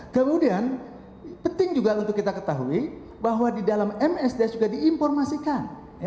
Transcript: kemudian penting juga untuk kita ketahui bahwa di dalam msds juga diinformasikan